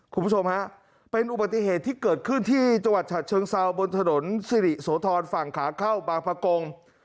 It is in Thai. คุณผู้ชมฮะเป็นอุบัติเหตุที่เกิดขึ้นที่จังหวัดฉะเชิงเซาบนถนนสิริโสธรฝั่งขาเข้าบางประกง